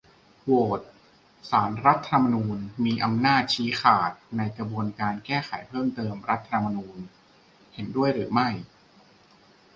โหวต : ศาลรัฐธรรมนูญมีอำนาจชี้ขาดในกระบวนการแก้ไขเพิ่มเติมรัฐธรรมนูญ เห็นด้วยหรือไม่ ?